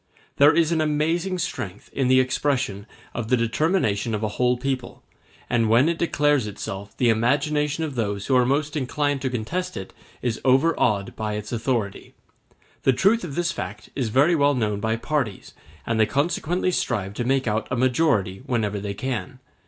There is an amazing strength in the expression of the determination of a whole people, and when it declares itself the imagination of those who are most inclined to contest it is overawed by its authority. The truth of this fact is very well known by parties, and they consequently strive to make out a majority whenever they can.